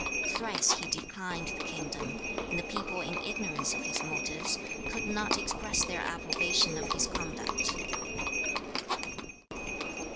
Thrice he declined the kingdom, and the people in ignorance of his motives could not express their approbation of his conduct.'